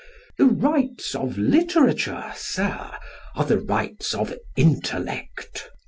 The rights of literature, Sir, are the rights of intellect.